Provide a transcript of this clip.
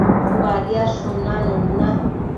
Badiadshun nanun na